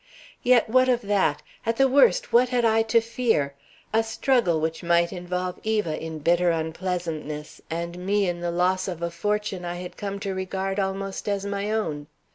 Yet what of that? At the worst, what had I to fear? A struggle which might involve Eva in bitter unpleasantness and me in the loss of a fortune I had come to regard almost as my own.